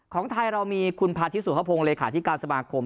ของไทยเรามีคุณพาธิสุภพงศ์เลขาธิการสมาคม